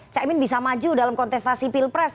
caimin bisa maju dalam kontestasi pilpres